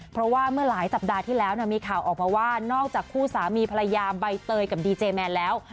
เพราะว่าเมื่อหลายสัปดาห์ที่แล้วมีข่าวออกมาว่านอกจากคู่สามีภรรยาใบเตยกับดีเจแมนแล้ว